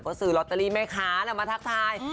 ก็ซื้อลอตเตอรี่แม่ค้ามาทักทาย